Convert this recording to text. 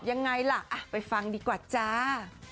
ยังไงล่ะไปฟังดีกว่าจ้า